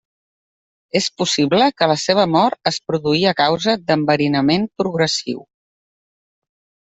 És possible que la seva mort es produí a causa d'enverinament progressiu.